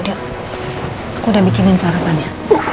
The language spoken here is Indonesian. aku udah bikinin sarapan ya